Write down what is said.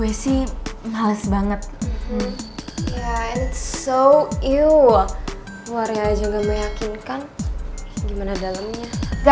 waria aja gak meyakinkan gimana dalemnya